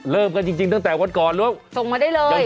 เริ่มกันจริงตั้งแต่วันก่อนลูกส่งมาได้เลย